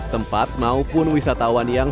setempat maupun wisatawan yang